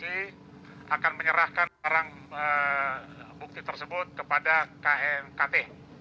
bagi smc akan menyerahkan barang bukti tersebut kepada knkt